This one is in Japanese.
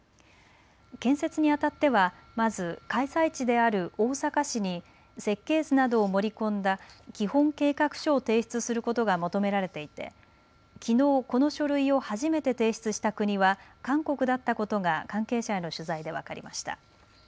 建設にあたっては、まず開催地である大阪市に設計図などを盛り込んだ基本計画書を提出することが求められていてきのう、この書類を初めて提出した国は韓国だったことが関係者への取材で分かりました。